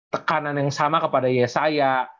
tekanan yang sama kepada yesaya